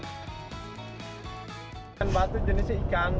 ikan batu jenisnya ikan